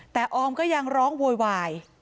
แต่ออมก็ยังร้องโวยวาย